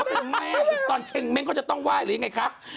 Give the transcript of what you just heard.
เป็นแม่หรือตอนเชงเม้งเขาจะต้องไหว้หรือยังไงคะ